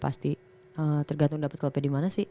pasti tergantung dapet klubnya di mana sih